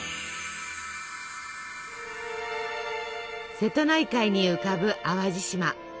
瀬戸内海に浮かぶ淡路島。